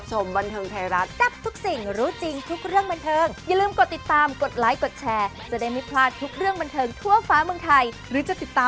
แต่ว่าสิ่งอื่นได้คือขอให้ป้าไก่แข็งแรงทุกวันเลยนะคะ